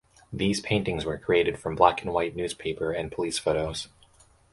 These paintings were created from black-and-white newspaper and police photos.